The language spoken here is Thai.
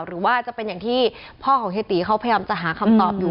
หรือว่าจะเป็นอย่างที่พ่อของเฮตีเขาพยายามจะหาคำตอบอยู่